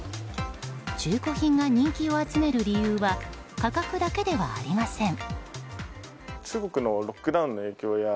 中古品が人気を集める理由は価格だけではありません。